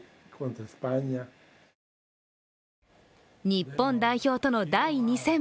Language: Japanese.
日本代表との第２戦。